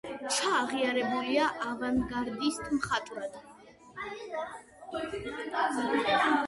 ჩა აღიარებულია ავანგარდისტ მხატვრად.